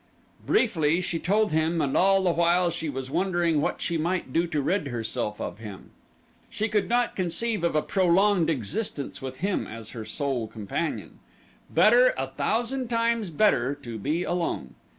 Briefly she told him and all the while she was wondering what she might do to rid herself of him. She could not conceive of a prolonged existence with him as her sole companion. Better, a thousand times better, to be alone.